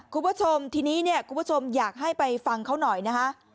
คุณผู้ชมทีนี้เนี่ยคุณผู้ชมอยากให้ไปฟังเขาหน่อยนะคะ